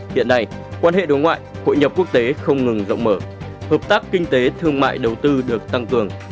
hiện nay quan hệ đối ngoại hội nhập quốc tế không ngừng rộng mở hợp tác kinh tế thương mại đầu tư được tăng cường